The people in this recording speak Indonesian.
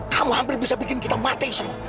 kamu hampir bisa bikin kita mati semua